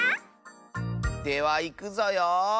ではいくぞよ。